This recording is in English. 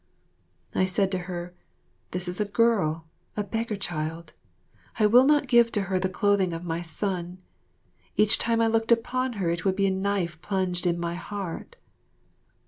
I said to her, "This is a girl, a beggar child. I will not give to her the clothing of my son. Each time I looked upon her it would be a knife plunged in my heart."